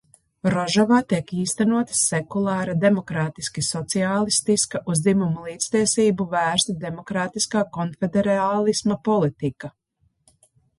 Rožavā tiek īstenota sekulāra, demokrātiski sociālistiska, uz dzimumu līdztiesību vērsta demokrātiskā konfederālisma politika.